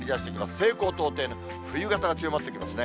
西高東低の冬型が強まってきますね。